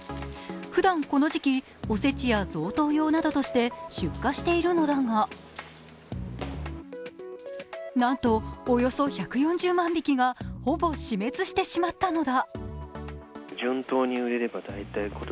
ふだんこの時期、お節や贈答用などとして出荷しているのだが、なんと、およそ１４０万匹がほぼ死滅してしまったのだ。